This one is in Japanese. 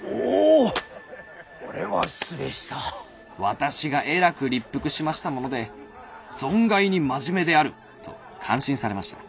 「私がえらく立腹しましたもので『存外に真面目である』と感心されました」。